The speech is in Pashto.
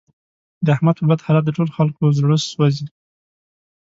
د احمد په بد حالت د ټول خکلو زړه سوځي.